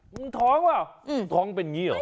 มึงท้องเปล่าท้องเป็นอย่างนี้เหรอ